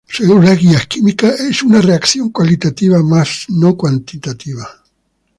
Según las guías químicas es una reacción cualitativa, mas no cuantitativa.